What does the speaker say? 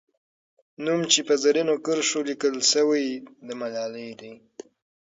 نوم چې په زرینو کرښو لیکل سوی، د ملالۍ دی.